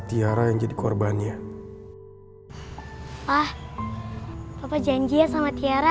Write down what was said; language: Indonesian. tiara yang jadi korbannya ah papa janji ya sama tiara